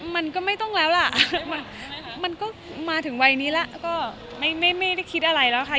มันก็ไม่ต้องแล้วล่ะมันก็มาถึงวัยนี้แล้วก็ไม่ได้คิดอะไรแล้วค่ะ